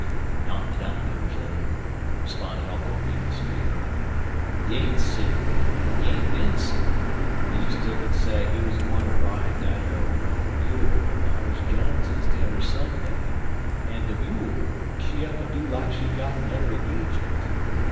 "Not dat I knows un," responded Uncle Remus, gravely. "He ain't sick, an' he ain't bin sick. He des tuck'n say he wuz gwineter ride dat ar roan mule er Mars John's de udder Sunday, an' de mule, she up'n do like she got nudder ingagement.